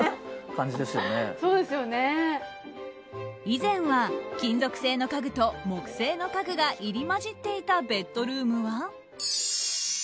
以前は、金属製の家具と木製の家具が入り交じっていたベッドルームは。